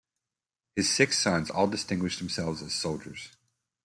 His six sons all distinguished themselves as soldiers.